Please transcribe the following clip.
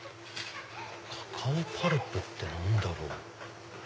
カカオパルプって何だろう？